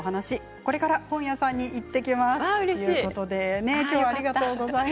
これから本屋さんに行ってきます。